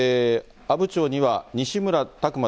阿武町には西村拓真